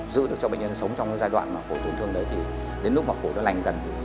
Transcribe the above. giữ được cho bệnh nhân sống trong cái giai đoạn mà phổi tổn thương đấy thì đến lúc mà phổi nó lành dần